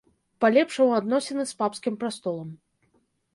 Палепшыў адносіны з папскім прастолам.